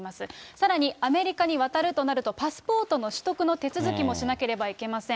さらに、アメリカに渡るとなると、パスポートの取得の手続きもしなければいけません。